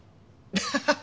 アハハハ！